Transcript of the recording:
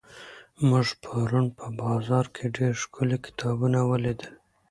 موږ پرون په بازار کې ډېر ښکلي کتابونه ولیدل.